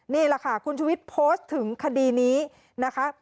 นี่แหละค่ะคุณชุวิตโพสต์ถึงคดีนี้นะคะ